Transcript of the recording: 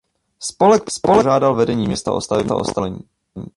Spolek proto požádal vedení města o stavební povolení.